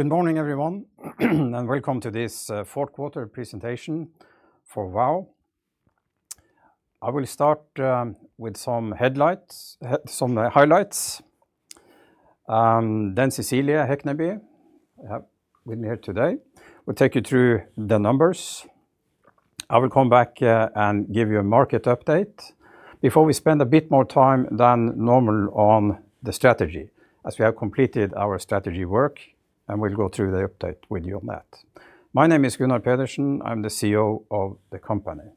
Good morning, everyone, welcome to this Fourth Quarter Presentation for Vow. I will start with some highlights. Cecilie Hekneby, with me here today, will take you through the numbers. I will come back and give you a market update before we spend a bit more time than normal on the strategy, as we have completed our strategy work, and we'll go through the update with you on that. My name is Gunnar Pedersen. I'm the CEO of the company.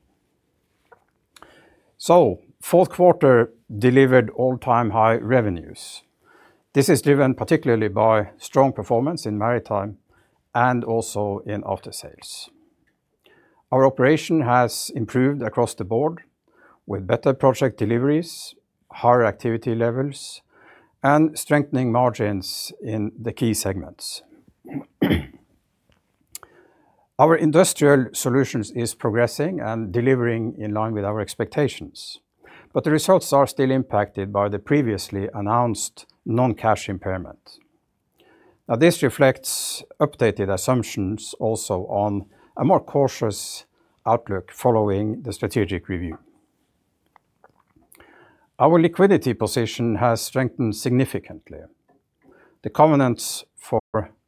Fourth quarter delivered all-time high revenues. This is driven particularly by strong performance in Maritime and also in Aftersales. Our operation has improved across the board, with better project deliveries, higher activity levels, and strengthening margins in the key segments. Our Industrial Solutions is progressing and delivering in line with our expectations, but the results are still impacted by the previously announced non-cash impairment. This reflects updated assumptions also on a more cautious outlook following the strategic review. Our liquidity position has strengthened significantly. The covenants for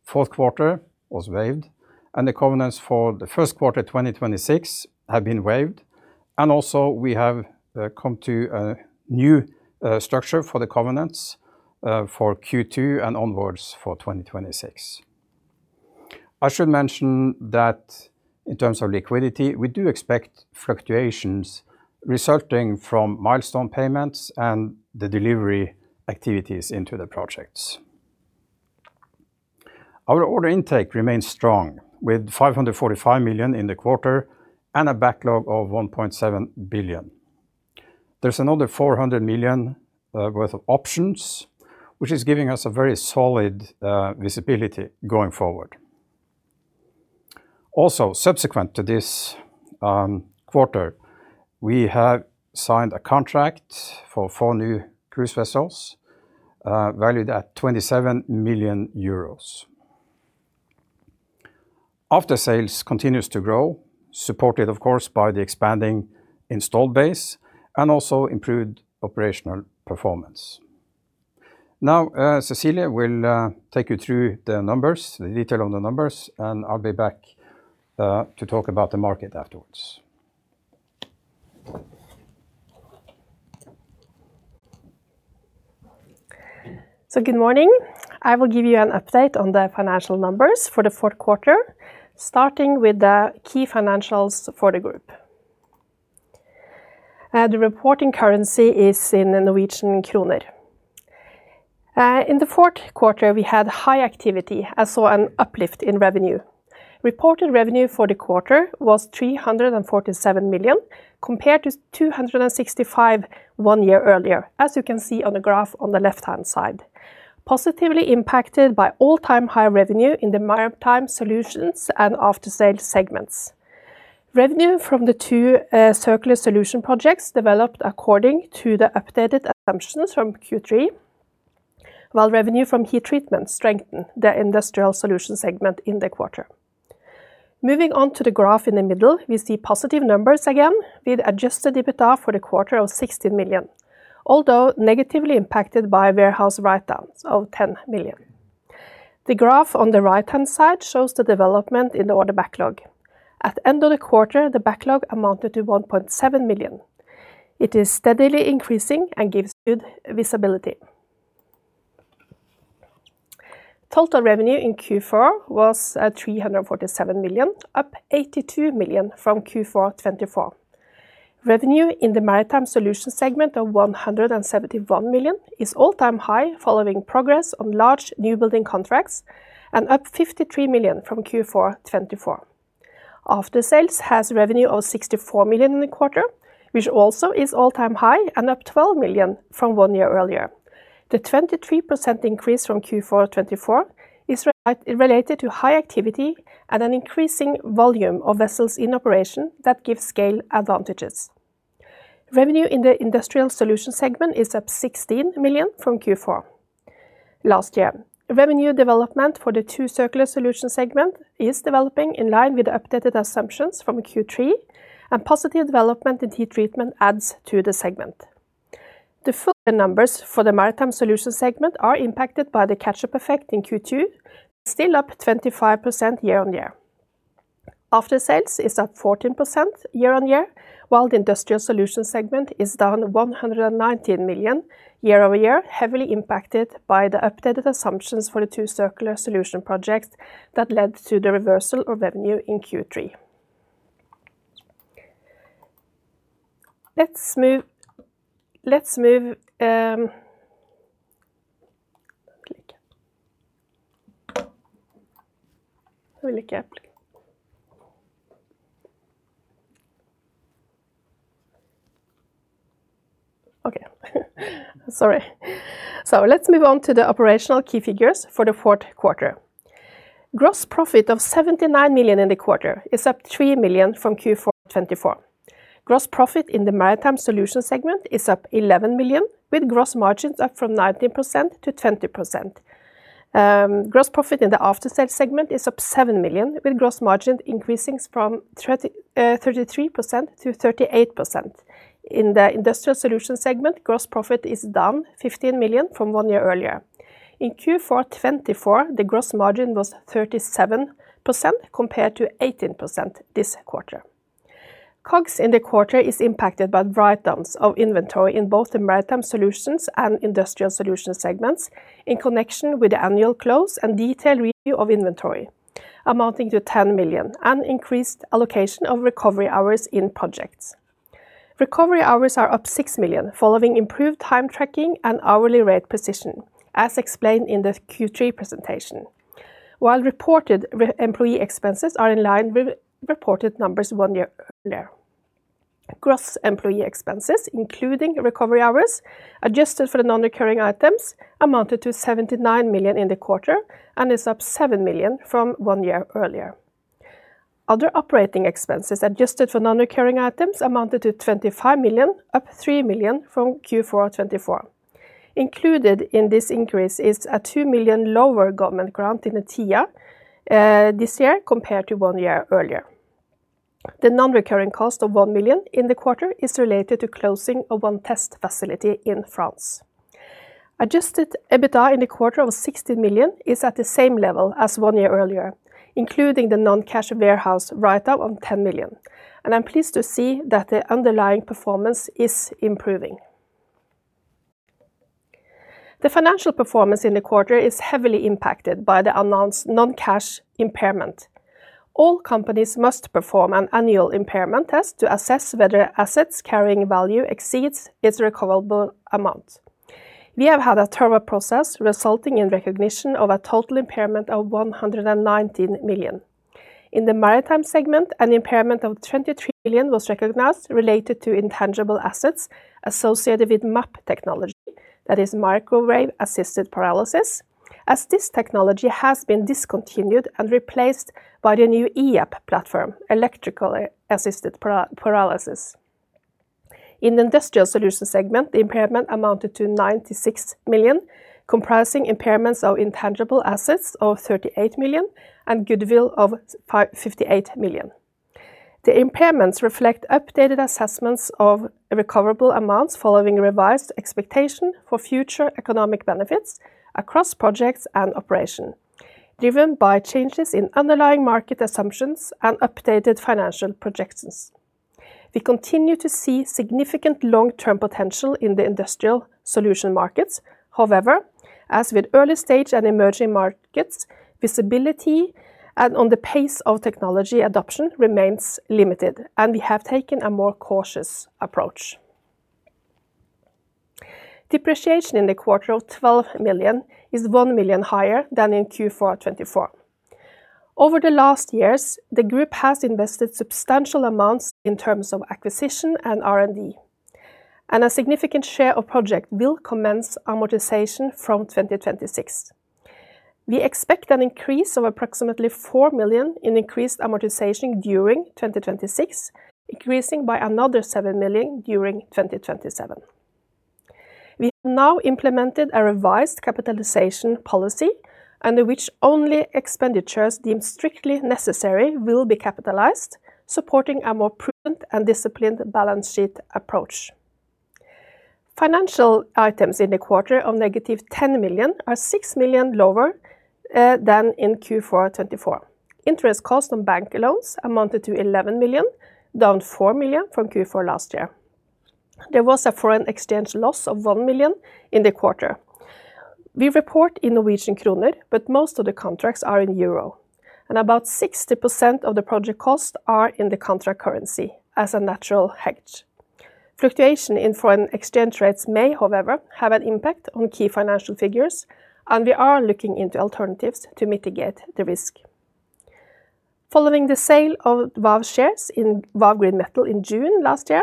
fourth quarter was waived, and the covenants for the first quarter, 2026 have been waived, and also, we have come to a new structure for the covenants for Q2 and onwards for 2026. I should mention that in terms of liquidity, we do expect fluctuations resulting from milestone payments and the delivery activities into the projects. Our order intake remains strong, with 545 million in the quarter and a backlog of 1.7 billion. There's another 400 million worth of options, which is giving us a very solid visibility going forward. Subsequent to this quarter, we have signed a contract for four new cruise vessels, valued at EUR 27 million. Aftersales continues to grow, supported, of course, by the expanding installed base and also improved operational performance. Cecilie will take you through the numbers, the detail on the numbers, and I'll be back to talk about the market afterwards. Good morning. I will give you an update on the financial numbers for the fourth quarter, starting with the key financials for the group. The reporting currency is in the Norwegian kroner. In the fourth quarter, we had high activity and saw an uplift in revenue. Reported revenue for the quarter was 347 million, compared to 265 million one year earlier, as you can see on the graph on the left-hand side, positively impacted by all-time high revenue in the Maritime Solutions and Aftersales segments. Revenue from the two circular solution projects developed according to the updated assumptions from Q3, while revenue from heat treatment strengthened the Industrial Solutions segment in the quarter. Moving on to the graph in the middle, we see positive numbers again, with adjusted EBITDA for the quarter of 16 million, although negatively impacted by warehouse write-downs of 10 million. The graph on the right-hand side shows the development in the order backlog. At end of the quarter, the backlog amounted to 1.7 million. It is steadily increasing and gives good visibility. Total revenue in Q4 was at 347 million, up 82 million from Q4 2024. Revenue in the Maritime Solutions segment of 171 million is all-time high, following progress on large newbuilding contracts and up 53 million from Q4 2024. Aftersales has revenue of 64 million in the quarter, which also is all-time high and up 12 million from one year earlier. The 23% increase from Q4 2024 is related to high activity and an increasing volume of vessels in operation that give scale advantages. Revenue in the Industrial Solutions segment is up 16 million from Q4 last year. Revenue development for the two circular solution segment is developing in line with the updated assumptions from Q3, and positive development in heat treatment adds to the segment. The full numbers for the Maritime Solutions segment are impacted by the catch-up effect in Q2, still up 25% year-on-year. Aftersales is up 14% year-on-year, while the Industrial Solutions segment is down 119 million year-over-year, heavily impacted by the updated assumptions for the two circular solution projects that led to the reversal of revenue in Q3. Let's move-- Click. Really carefully. Okay. Sorry. Let's move on to the operational key figures for the fourth quarter. Gross profit of 79 million in the quarter is up 3 million from Q4 2024. Gross profit in the Maritime Solutions segment is up 11 million, with gross margins up from 19% to 20%. Gross profit in the Aftersales segment is up 7 million, with gross margin increasing from 33% to 38%. In the Industrial Solutions segment, gross profit is down 15 million from one year earlier. In Q4 2024, the gross margin was 37%, compared to 18% this quarter. COGS in the quarter is impacted by write-downs of inventory in both the Maritime Solutions and Industrial Solutions segments in connection with the annual close and detailed review of inventory, amounting to 10 million, and increased allocation of recovery hours in projects. Recovery hours are up 6 million, following improved time tracking and hourly rate precision, as explained in the Q3 presentation. While reported employee expenses are in line with reported numbers one year earlier. Gross employee expenses, including recovery hours, adjusted for the non-recurring items, amounted to 79 million in the quarter and is up 7 million from one year earlier. Other operating expenses, adjusted for non-recurring items, amounted to 25 million, up 3 million from Q4 2024. Included in this increase is a 2 million lower government grant in the TIA this year compared to one year earlier. The non-recurring cost of 1 million in the quarter is related to closing of one test facility in France. Adjusted EBITDA in the quarter of 60 million is at the same level as one year earlier, including the non-cash warehouse write-up of 10 million. I'm pleased to see that the underlying performance is improving. The financial performance in the quarter is heavily impacted by the announced non-cash impairment. All companies must perform an annual impairment test to assess whether assets carrying value exceeds its recoverable amount. We have had a thorough process, resulting in recognition of a total impairment of 119 million. In the Maritime segment, an impairment of 23 million was recognized related to intangible assets associated with MAP technology, that is Microwave-Assisted Pyrolysis, as this technology has been discontinued and replaced by the new EAP platform, Electrically Assisted Pyrolysis. In the Industrial Solutions segment, the impairment amounted to 96 million, comprising impairments of intangible assets of 38 million and goodwill of 58 million. The impairments reflect updated assessments of recoverable amounts following revised expectation for future economic benefits across projects and operation, driven by changes in underlying market assumptions and updated financial projections. We continue to see significant long-term potential in the Industrial Solutions markets. As with early stage and emerging markets, visibility and on the pace of technology adoption remains limited, and we have taken a more cautious approach. Depreciation in the quarter of 12 million is 1 million higher than in Q4 2024. Over the last years, the group has invested substantial amounts in terms of acquisition and R&D, a significant share of project will commence amortization from 2026. We expect an increase of approximately 4 million in increased amortization during 2026, increasing by another 7 million during 2027. We have now implemented a revised capitalization policy under which only expenditures deemed strictly necessary will be capitalized, supporting a more prudent and disciplined balance sheet approach. Financial items in the quarter of negative 10 million are 6 million lower than in Q4 2024. Interest cost on bank loans amounted to 11 million, down 4 million from Q4 last year. There was a foreign exchange loss of 1 million in the quarter. We report in Norwegian kroner, but most of the contracts are in euro, and about 60% of the project costs are in the contract currency as a natural hedge. Fluctuation in foreign exchange rates may, however, have an impact on key financial figures, and we are looking into alternatives to mitigate the risk. Following the sale of Vow shares in Vow Green Metals in June last year,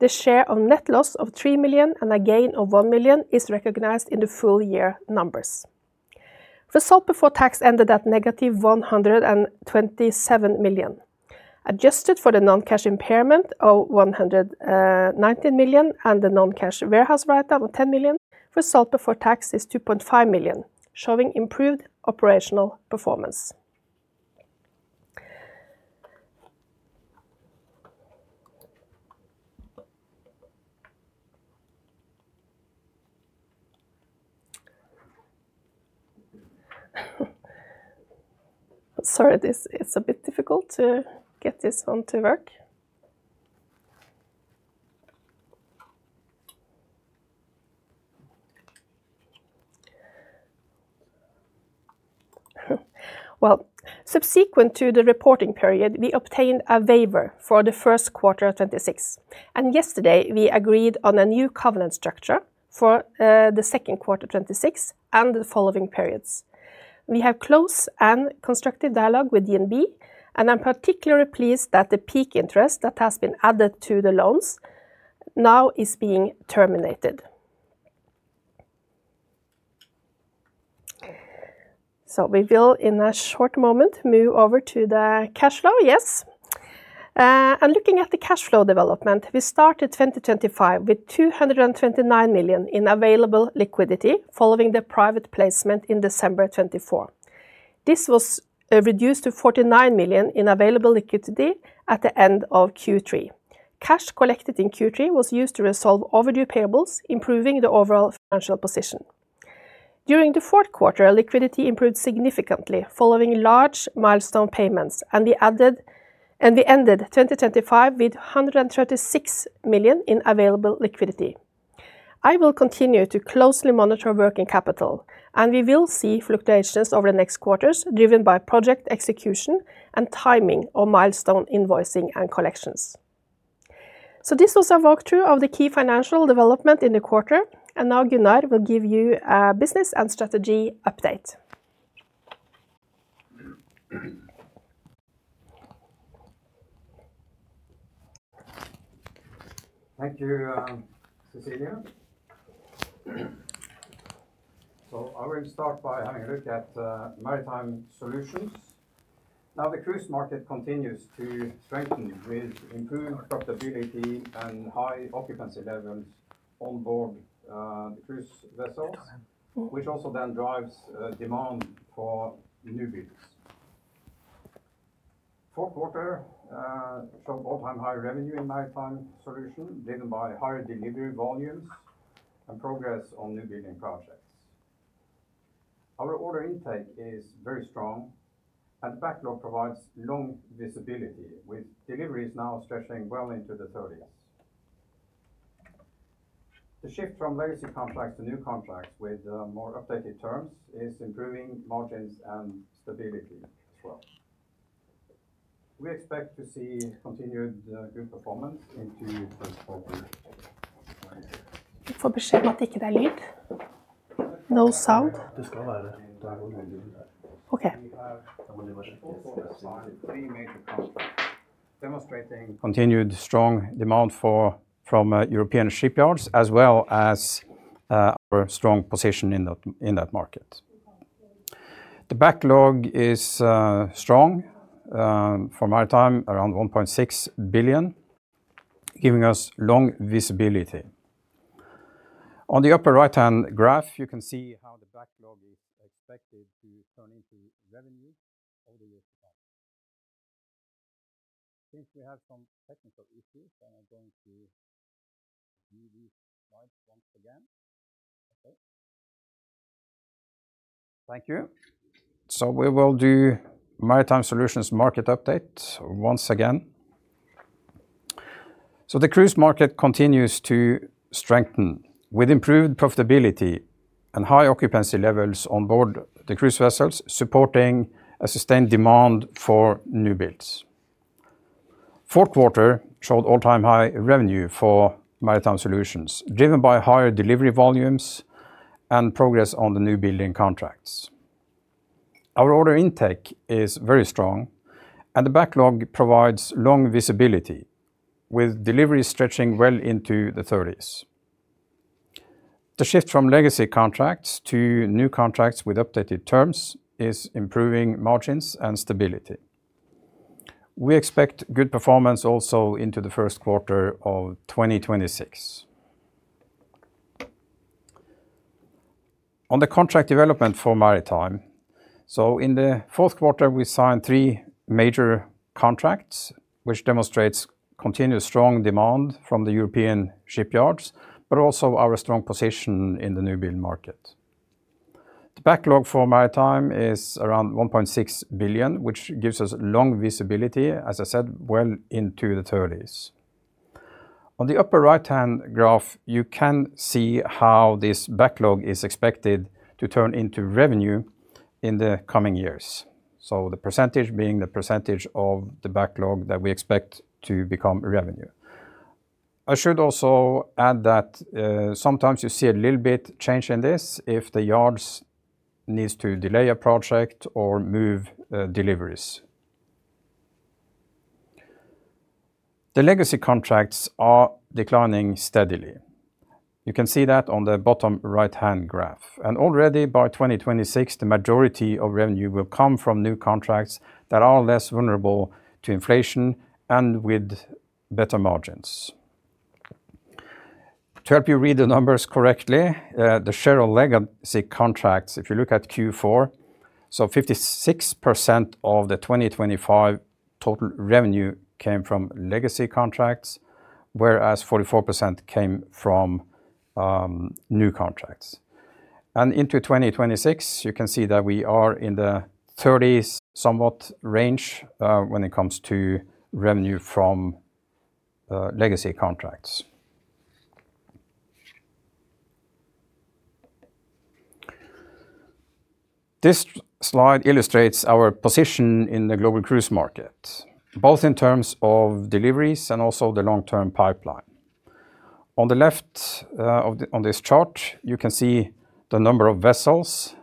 the share of net loss of 3 million and a gain of 1 million is recognized in the full year numbers. Result before tax ended at negative 127 million. Adjusted for the non-cash impairment of 119 million and the non-cash warehouse write-up of 10 million, result before tax is 2.5 million, showing improved operational performance. It's a bit difficult to get this one to work. Well, subsequent to the reporting period, we obtained a waiver for the first quarter of 2026, yesterday, we agreed on a new covenant structure, for the second quarter 2026 and the following periods. We have close and constructive dialogue with DNB, and I'm particularly pleased that the peak interest that has been added to the loans now is being terminated. We will, in a short moment, move over to the cash flow. Yes. Looking at the cash flow development, we started 2025 with 229 million in available liquidity following the private placement in December 2024. This was reduced to 49 million in available liquidity at the end of Q3. Cash collected in Q3 was used to resolve overdue payables, improving the overall financial position. During the fourth quarter, liquidity improved significantly following large milestone payments, and we ended 2025 with 136 million in available liquidity. I will continue to closely monitor working capital, and we will see fluctuations over the next quarters, driven by project execution and timing of milestone invoicing and collections. This was a walkthrough of the key financial development in the quarter, and now Gunnar will give you a business and strategy update. Thank you, Cecilie. I will start by having a look at Maritime Solutions. The cruise market continues to strengthen with improved profitability and high occupancy levels on board the cruise vessels, which also then drives demand for the new builds. Fourth quarter saw all-time high revenue in Maritime Solutions, driven by higher delivery volumes and progress on new building projects. Our order intake is very strong, and the backlog provides long visibility, with deliveries now stretching well into the thirties. The shift from legacy contracts to new contracts with more updated terms is improving margins and stability as well. We expect to see continued good performance into the fourth quarter. No sound. Okay. We have also signed three major contracts, demonstrating continued strong demand from European shipyards, as well as our strong position in that market. The backlog is strong for Maritime, around 1.6 billion, giving us long visibility. On the upper right-hand graph, you can see how the backlog is expected to turn into revenue over the years. We have some technical issues, I'm going to do these slides once again. Okay. Thank you. We will do Maritime Solutions market update once again. The cruise market continues to strengthen with improved profitability and high occupancy levels on board the cruise vessels, supporting a sustained demand for new builds. Fourth quarter showed all-time high revenue for Maritime Solutions, driven by higher delivery volumes and progress on the new building contracts. Our order intake is very strong, and the backlog provides long visibility, with delivery stretching well into the thirties. The shift from legacy contracts to new contracts with updated terms is improving margins and stability. We expect good performance also into the first quarter of 2026. On the contract development for Maritime, so in the fourth quarter, we signed three major contracts, which demonstrates continuous strong demand from the European shipyards, but also our strong position in the new build market. The backlog for Maritime is around 1.6 billion, which gives us long visibility, as I said, well into the thirties. On the upper right-hand graph, you can see how this backlog is expected to turn into revenue in the coming years. The percentage being the percentage of the backlog that we expect to become revenue. I should also add that, sometimes you see a little bit change in this if the yards needs to delay a project or move deliveries. The legacy contracts are declining steadily. You can see that on the bottom right-hand graph, Already by 2026, the majority of revenue will come from new contracts that are less vulnerable to inflation and with better margins. To help you read the numbers correctly, the share of legacy contracts, if you look at Q4, 56% of the 2025 total revenue came from legacy contracts, whereas 44% came from new contracts. Into 2026, you can see that we are in the 30s somewhat range when it comes to revenue from legacy contracts. This slide illustrates our position in the global cruise market, both in terms of deliveries and also the long-term pipeline. On the left, on this chart, you can see the number of vessels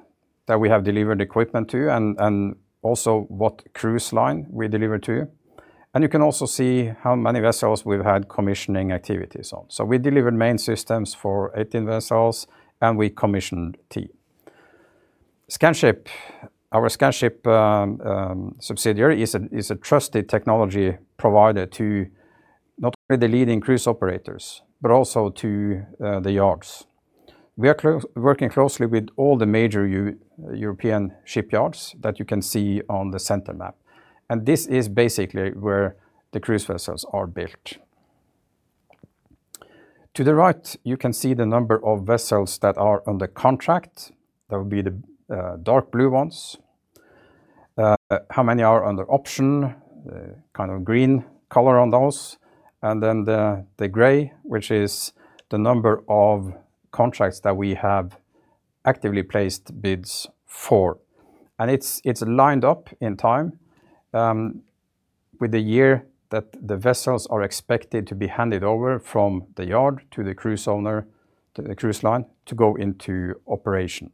that we have delivered equipment to and also what cruise line we delivered to. You can also see how many vessels we've had commissioning activities on. We delivered main systems for 18 vessels, and we commissioned. Scanship, our Scanship subsidiary is a trusted technology provider to not only the leading cruise operators, but also to the yards. We are working closely with all the major European shipyards that you can see on the center map, this is basically where the cruise vessels are built. To the right, you can see the number of vessels that are under contract. That would be the dark blue ones. How many are under option, the kind of green color on those, and then the gray, which is the number of contracts that we have actively placed bids for. It's lined up in time with the year that the vessels are expected to be handed over from the yard to the cruise owner, to the cruise line, to go into operation.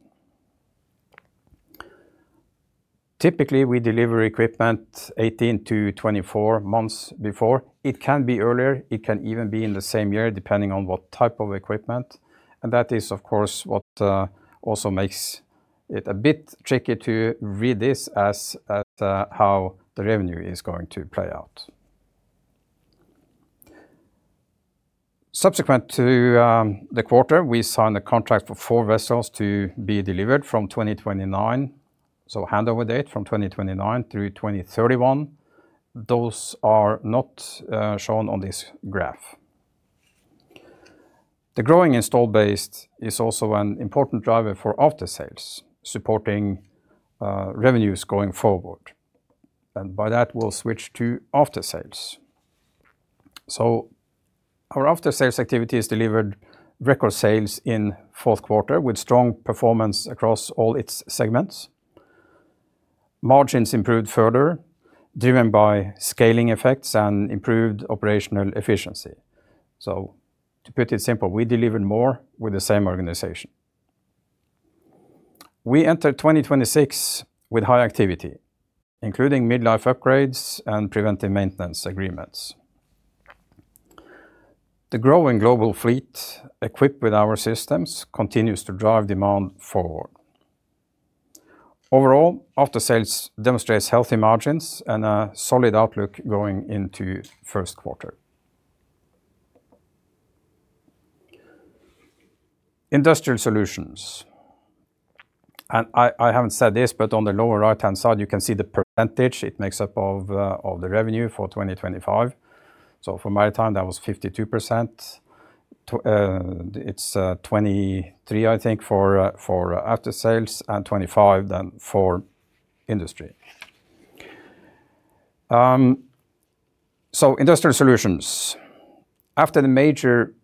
Typically, we deliver equipment 18-24 months before. It can be earlier, it can even be in the same year, depending on what type of equipment, and that is, of course, what also makes it a bit tricky to read this as how the revenue is going to play out. Subsequent to the quarter, we signed a contract for four vessels to be delivered from 2029, so handover date from 2029 through 2031. Those are not shown on this graph. The growing installed base is also an important driver for Aftersales, supporting revenues going forward. By that, we'll switch to Aftersales. Our Aftersales activity has delivered record sales in fourth quarter, with strong performance across all its segments. Margins improved further, driven by scaling effects and improved operational efficiency. To put it simple, we delivered more with the same organization. We entered 2026 with high activity, including mid-life upgrades and preventive maintenance agreements. The growing global fleet, equipped with our systems, continues to drive demand forward. Overall, Aftersales demonstrates healthy margins and a solid outlook going into first quarter. Industrial Solutions. I haven't said this, but on the lower right-hand side, you can see the percentage it makes up of the revenue for 2025. For my time, that was 52%. To, it's 23%, I think, for Aftersales and 25% then for Industry. Industrial Solutions. After the major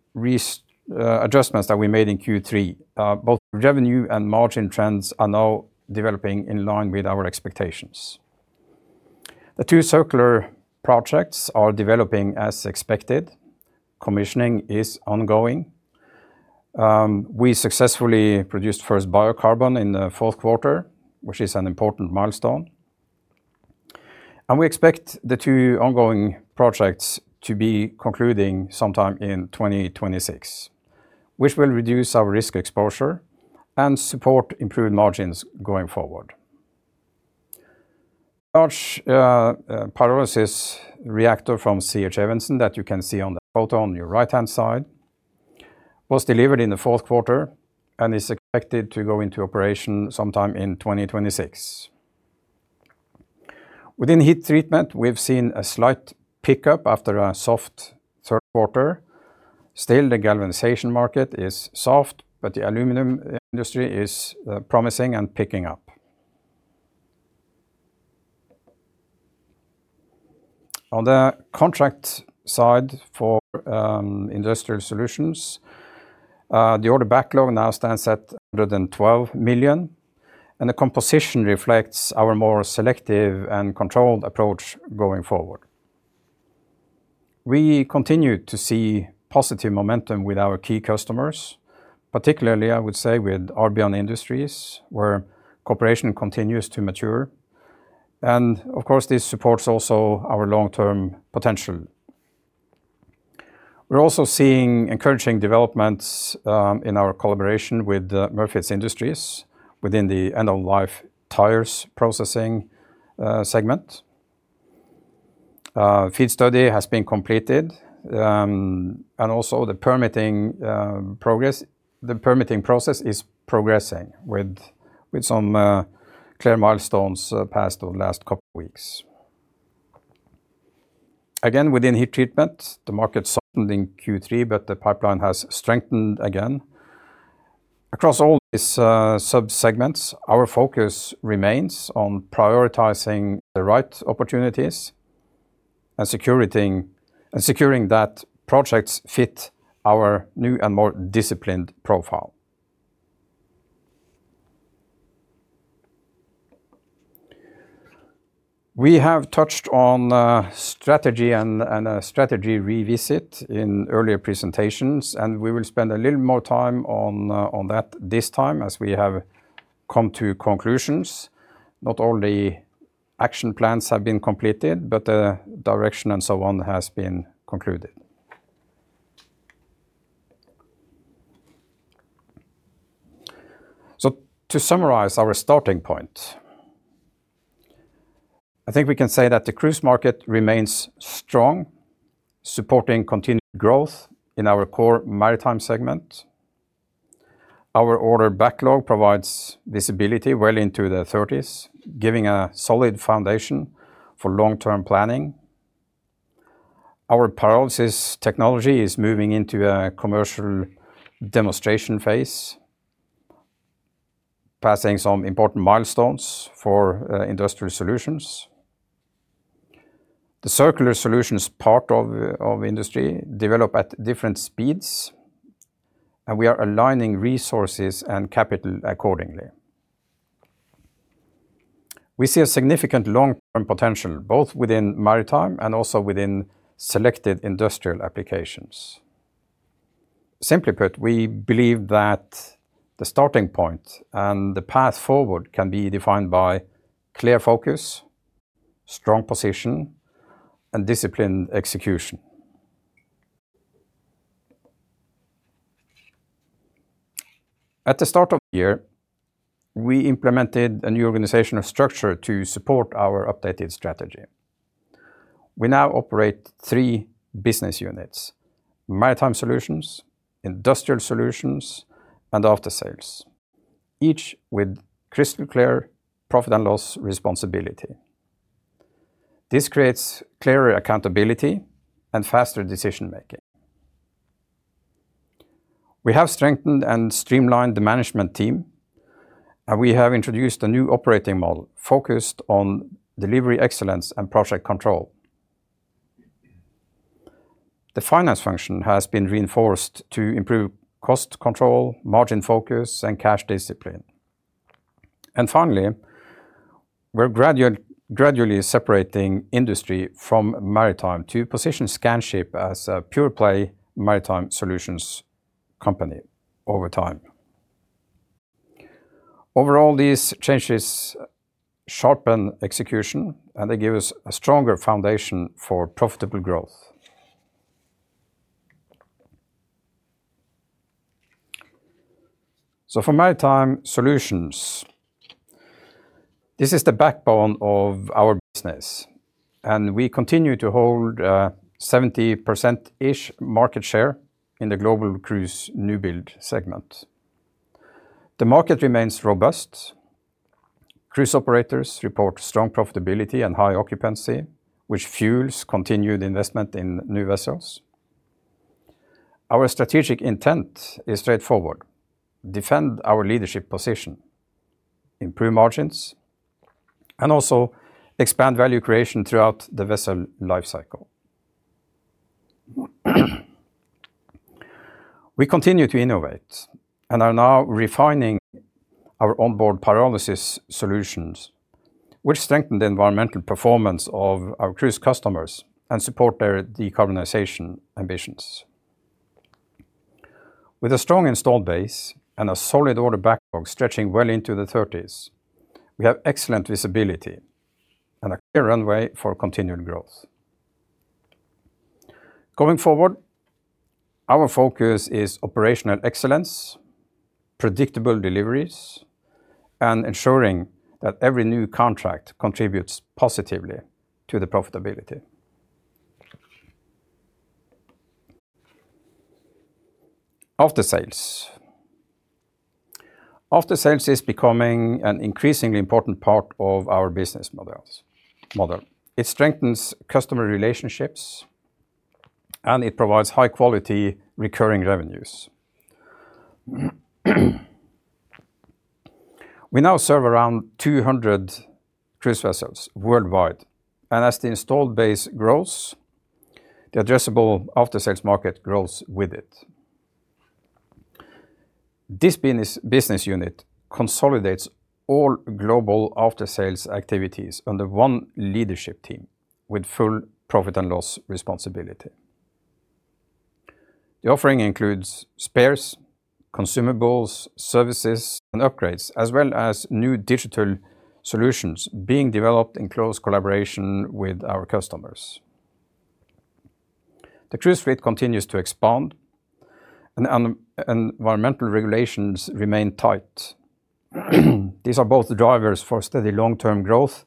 adjustments that we made in Q3, both revenue and margin trends are now developing in line with our expectations. The two circular projects are developing as expected. Commissioning is ongoing. We successfully produced first biocarbon in the fourth quarter, which is an important milestone. We expect the two ongoing projects to be concluding sometime in 2026, which will reduce our risk exposure and support improved margins going forward. Large pyrolysis reactor from C.H. Evensen, that you can see on the photo on your right-hand side, was delivered in the fourth quarter and is expected to go into operation sometime in 2026. Within heat treatment, we've seen a slight pickup after a soft third quarter. The galvanization market is soft, but the aluminum industry is promising and picking up. On the contract side for Industrial Solutions, the order backlog now stands at 112 million, the composition reflects our more selective and controlled approach going forward. We continue to see positive momentum with our key customers, particularly, I would say, with Arbion Industries, where cooperation continues to mature. Of course, this supports also our long-term potential. We're also seeing encouraging developments in our collaboration with the Murfitts Industries within the end-of-life tires processing segment. FEED study has been completed, also the permitting process is progressing with some clear milestones passed over the last couple weeks. Within heat treatment, the market softened in Q3, the pipeline has strengthened again. Across all these subsegments, our focus remains on prioritizing the right opportunities and securing that projects fit our new and more disciplined profile. We have touched on strategy and a strategy revisit in earlier presentations, and we will spend a little more time on that this time as we have come to conclusions. Not all the action plans have been completed, but the direction and so on has been concluded. To summarize our starting point, I think we can say that the cruise market remains strong, supporting continued growth in our core maritime segment. Our order backlog provides visibility well into the 2030s, giving a solid foundation for long-term planning. Our pyrolysis technology is moving into a commercial demonstration phase, passing some important milestones for Industrial Solutions. The circular solutions part of industry develop at different speeds, and we are aligning resources and capital accordingly. We see a significant long-term potential, both within maritime and also within selected industrial applications. Simply put, we believe that the starting point and the path forward can be defined by clear focus, strong position, and disciplined execution. At the start of the year, we implemented a new organizational structure to support our updated strategy. We now operate three business units: Maritime Solutions, Industrial Solutions, and Aftersales, each with crystal clear profit and loss responsibility. This creates clearer accountability and faster decision making. We have strengthened and streamlined the management team, and we have introduced a new operating model focused on delivery excellence and project control. The finance function has been reinforced to improve cost control, margin focus, and cash discipline. Finally, we're gradually separating industry from maritime to position Scanship as a pure-play maritime solutions company over time. Overall, these changes sharpen execution, and they give us a stronger foundation for profitable growth. For Maritime Solutions, this is the backbone of our business, and we continue to hold 70%-ish market share in the global cruise newbuild segment. The market remains robust. Cruise operators report strong profitability and high occupancy, which fuels continued investment in new vessels. Our strategic intent is straightforward: defend our leadership position, improve margins, and also expand value creation throughout the vessel lifecycle. We continue to innovate and are now refining our onboard pyrolysis solutions, which strengthen the environmental performance of our cruise customers and support their decarbonization ambitions. With a strong installed base and a solid order backlog stretching well into the thirties, we have excellent visibility and a clear runway for continued growth. Going forward, our focus is operational excellence, predictable deliveries, and ensuring that every new contract contributes positively to the profitability. Aftersales. Aftersales is becoming an increasingly important part of our business model. It strengthens customer relationships, it provides high-quality, recurring revenues. We now serve around 200 cruise vessels worldwide, as the installed base grows, the addressable Aftersales market grows with it. This business unit consolidates all global Aftersales activities under one leadership team with full profit and loss responsibility. The offering includes spares, consumables, services, and upgrades, as well as new digital solutions being developed in close collaboration with our customers. The cruise fleet continues to expand, environmental regulations remain tight. These are both drivers for steady long-term growth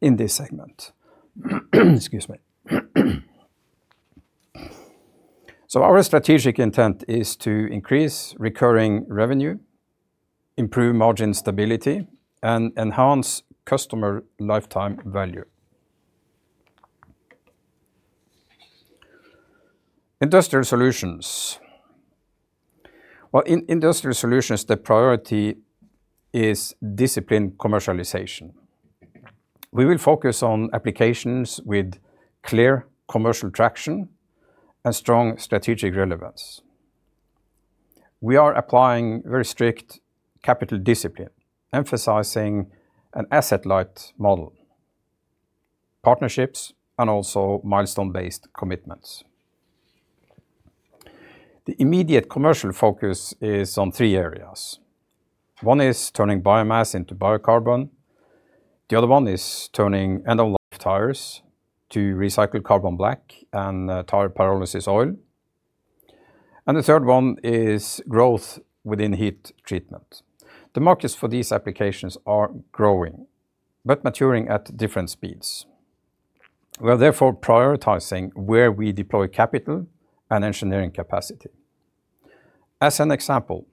in this segment. Excuse me. Our strategic intent is to increase recurring revenue, improve margin stability, and enhance customer lifetime value. Industrial Solutions. Well, in Industrial Solutions, the priority is disciplined commercialization. We will focus on applications with clear commercial traction and strong strategic relevance. We are applying very strict capital discipline, emphasizing an asset-light model, partnerships, and also milestone-based commitments. The immediate commercial focus is on three areas. One is turning biomass into biocarbon, the other one is turning end-of-life tires to recycled carbon black and tire pyrolysis oil, and the third one is growth within heat treatment. The markets for these applications are growing but maturing at different speeds. We are therefore prioritizing where we deploy capital and engineering capacity. As an example,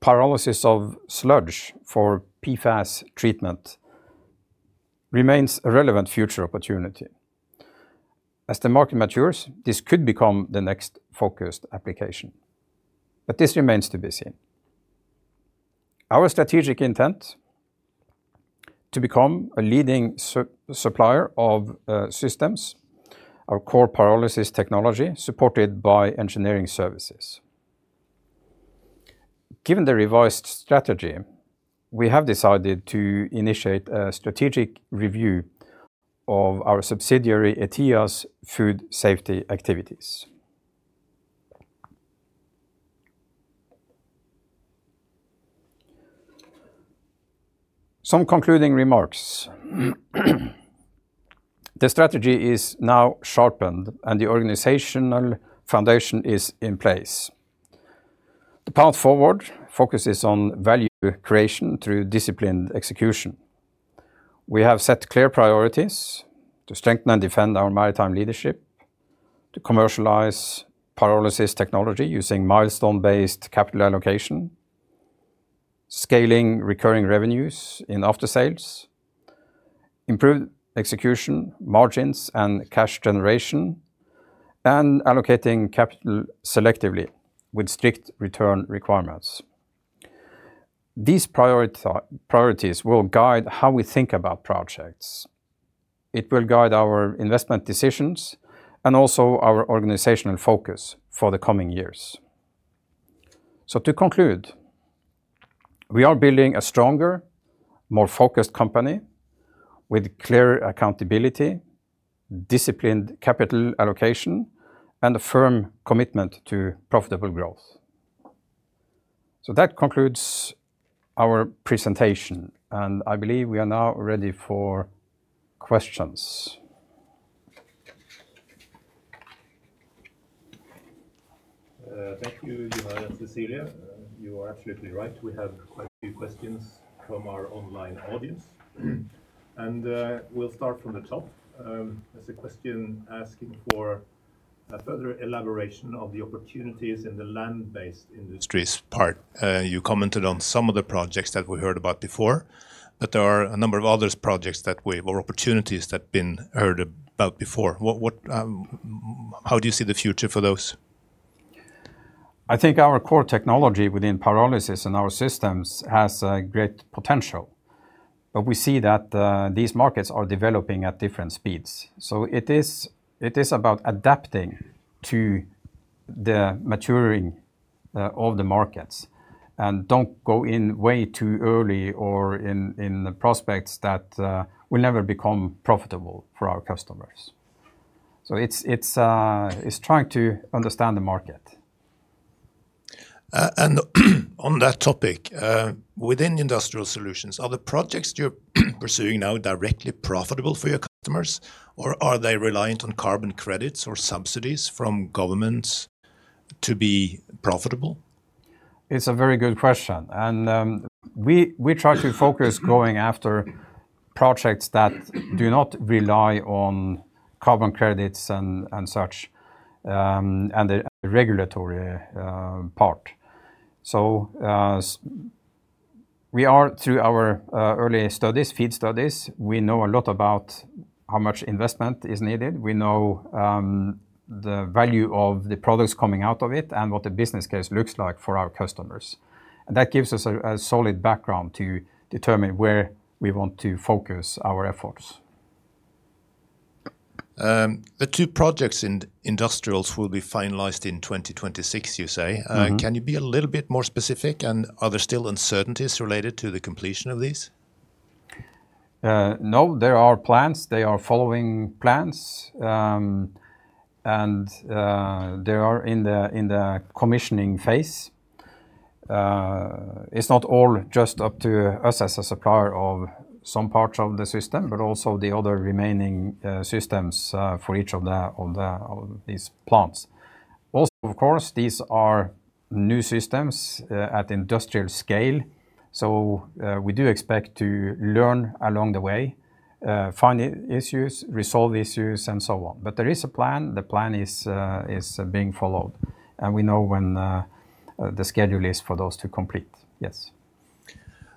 pyrolysis of sludge for PFAS treatment remains a relevant future opportunity. As the market matures, this could become the next focused application, but this remains to be seen. Our strategic intent, to become a leading supplier of systems, our core pyrolysis technology, supported by engineering services. Given the revised strategy, we have decided to initiate a strategic review of our subsidiary ETIA's food safety activities. Some concluding remarks. The strategy is now sharpened, and the organizational foundation is in place. The path forward focuses on value creation through disciplined execution. We have set clear priorities to strengthen and defend our maritime leadership, to commercialize pyrolysis technology using milestone-based capital allocation, scaling recurring revenues in Aftersales, improve execution, margins, and cash generation, and allocating capital selectively with strict return requirements. These priorities will guide how we think about projects. It will guide our investment decisions and also our organizational focus for the coming years. To conclude, we are building a stronger, more focused company with clear accountability, disciplined capital allocation, and a firm commitment to profitable growth. That concludes our presentation. I believe we are now ready for questions. Thank you, Gunnar and Cecilia. You are absolutely right. We have quite a few questions from our online audience. We'll start from the top. There's a question asking for a further elaboration of the opportunities in the land-based industries part. You commented on some of the projects that we heard about before, there are a number of other projects or opportunities that been heard about before. What, how do you see the future for those? I think our core technology within pyrolysis and our systems has a great potential, but we see that, these markets are developing at different speeds. It is about adapting to the maturing, of the markets, and don't go in way too early or in the prospects that, will never become profitable for our customers. It's trying to understand the market. On that topic, within Industrial Solutions, are the projects you're pursuing now directly profitable for your customers, or are they reliant on carbon credits or subsidies from governments to be profitable? It's a very good question, and we try to focus going after projects that do not rely on carbon credits and such, and the regulatory part. We are through our early studies, FEED studies, we know a lot about how much investment is needed. We know the value of the products coming out of it and what the business case looks like for our customers, and that gives us a solid background to determine where we want to focus our efforts. The two projects in Industrials will be finalized in 2026, you say. Can you be a little bit more specific, and are there still uncertainties related to the completion of these? No, there are plans. They are following plans, and they are in the commissioning phase. It's not all just up to us as a supplier of some parts of the system, but also the other remaining systems for each of these plants. Also, of course, these are new systems at industrial scale, so we do expect to learn along the way, find issues, resolve issues, and so on. But there is a plan. The plan is being followed, and we know when the schedule is for those to complete. Yes.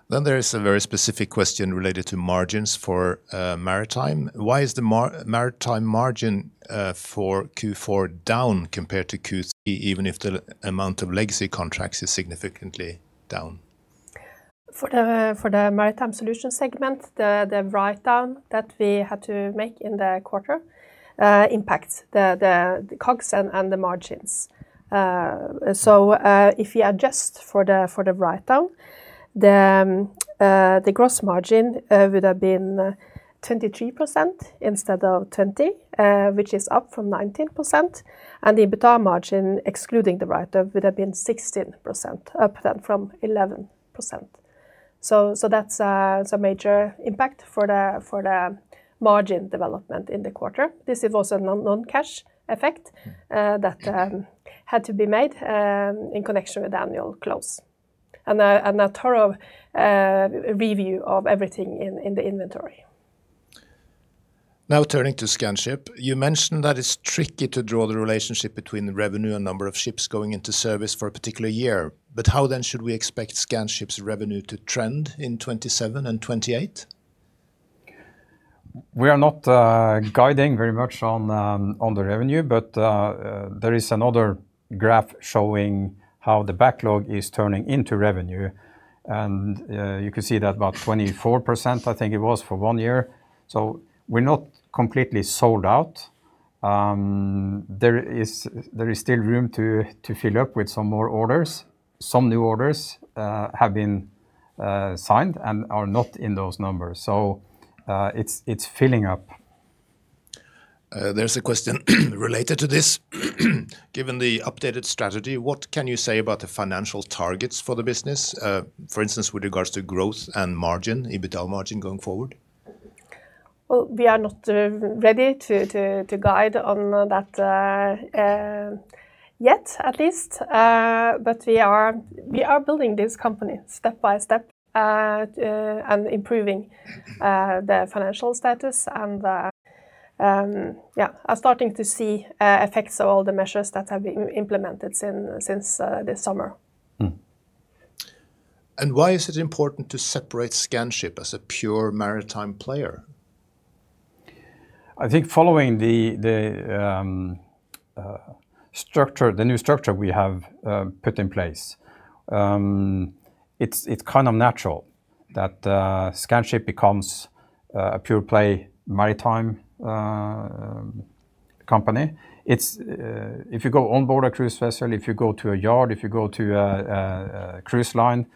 There is a very specific question related to margins for maritime. Why is the maritime margin for Q4 down compared to Q3, even if the amount of legacy contracts is significantly down? For the Maritime Solutions segment, the write-down that we had to make in the quarter impacts the COGS and the margins. If you adjust for the write-down, the gross margin would have been 23% instead of 20%, which is up from 19%, and the EBITDA margin, excluding the write-off, would have been 16%, up then from 11%. That's a major impact for the margin development in the quarter. This is also a non-cash effect that had to be made in connection with the annual close and a thorough review of everything in the inventory. Turning to Scanship, you mentioned that it's tricky to draw the relationship between the revenue and number of ships going into service for a particular year. How then should we expect Scanship's revenue to trend in 2027 and 2028? We are not guiding very much on on the revenue, but there is another graph showing how the backlog is turning into revenue, and you can see that about 24%, I think it was, for one year. We're not completely sold out. There is still room to fill up with some more orders. Some new orders have been signed and are not in those numbers. It's filling up. There's a question related to this. Given the updated strategy, what can you say about the financial targets for the business, for instance, with regards to growth and margin, EBITDA margin going forward? We are not ready to guide on that yet, at least. We are building this company step by step and improving the financial status. Yeah, are starting to see effects of all the measures that have been implemented since this summer. Why is it important to separate Scanship as a pure maritime player? I think following the structure, the new structure we have put in place, it's kind of natural that Scanship becomes a pure play maritime company. It's-- If you go on board a cruise vessel, if you go to a yard, if you go to a cruise line,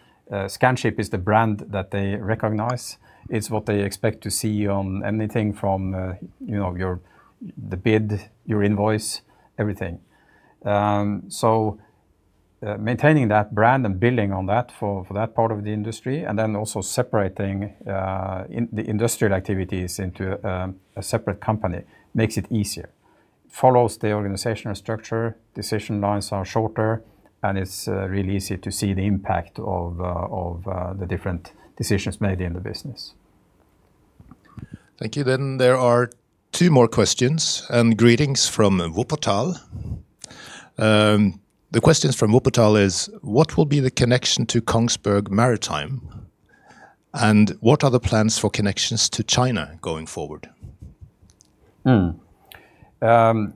Scanship is the brand that they recognize. It's what they expect to see on anything from, you know, your, the bid, your invoice, everything. Maintaining that brand and building on that for that part of the industry, and then also separating the industrial activities into a separate company, makes it easier. Follows the organizational structure, decision lines are shorter, and it's really easy to see the impact of the different decisions made in the business. Thank you. There are two more questions, and greetings from Wuppertal. The questions from Wuppertal is: What will be the connection to Kongsberg Maritime, and what are the plans for connections to China going forward? In terms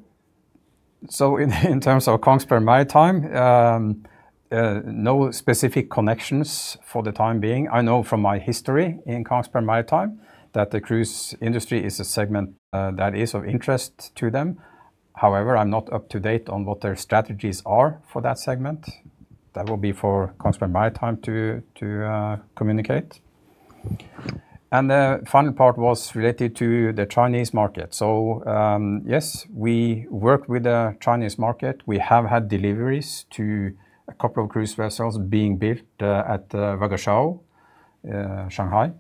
of Kongsberg Maritime, no specific connections for the time being. I know from my history in Kongsberg Maritime, that the cruise industry is a segment that is of interest to them. However, I'm not up to date on what their strategies are for that segment. That will be for Kongsberg Maritime to communicate. The final part was related to the Chinese market. Yes, we work with the Chinese market. We have had deliveries to a couple of cruise vessels being built at Waigaoqiao, Shanghai.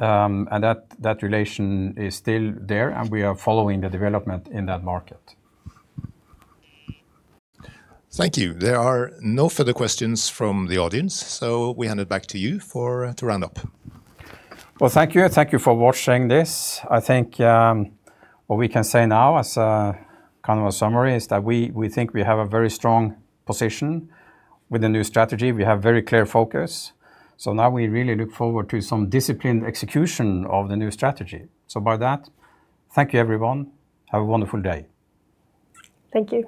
That relation is still there, we are following the development in that market. Thank you. There are no further questions from the audience, so we hand it back to you for to round up. Well, thank you, and thank you for watching this. I think, what we can say now, as a kind of a summary, is that we think we have a very strong position with the new strategy. We have very clear focus, so now we really look forward to some disciplined execution of the new strategy. By that, thank you, everyone. Have a wonderful day. Thank you.